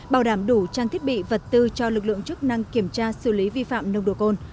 bảo đảm đủ trang thiết bị vật tư cho lực lượng chức năng kiểm tra xử lý vi phạm nồng độ cồn